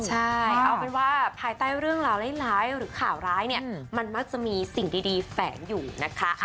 ใช่เอาเป็นว่าภายใต้เรื่องราวร้ายหรือข่าวร้ายเนี่ยมันมักจะมีสิ่งดีแฝงอยู่นะคะ